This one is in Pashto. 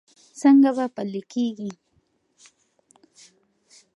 څنګه به پلي کېږي؟